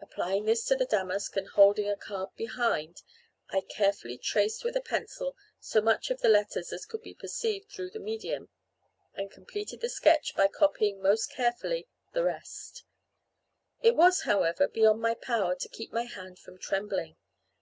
Applying this to the damask, and holding a card behind, I carefully traced with a pencil so much of the letters as could be perceived through the medium, and completed the sketch by copying most carefully the rest; It was, however, beyond my power to keep my hand from trembling.